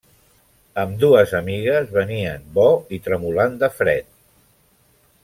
Ambdues amigues venien bo i tremolant de fred.